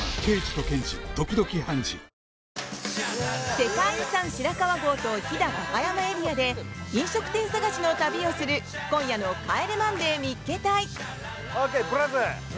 世界遺産、白川郷と飛騨高山エリアで飲食店探しの旅をする、今夜の「帰れマンデー見っけ隊！！」。